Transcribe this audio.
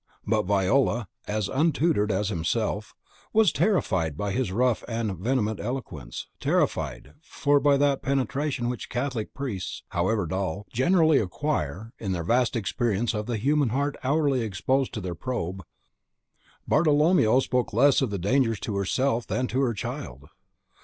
But Viola, as untutored as himself, was terrified by his rough and vehement eloquence, terrified, for by that penetration which Catholic priests, however dull, generally acquire, in their vast experience of the human heart hourly exposed to their probe, Bartolomeo spoke less of danger to herself than to her child.